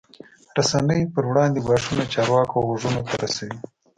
رسنۍ پر وړاندې ګواښونه چارواکو غوږونو ته رسوي.